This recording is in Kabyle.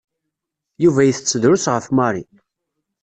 Yuba itett drus ɣef Mary.